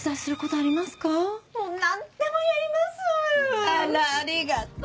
あらありがとう。